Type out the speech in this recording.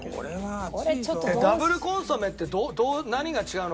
ダブルコンソメってどう？